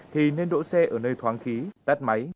thì nên đỗ xe ở nơi thoáng khí tắt máy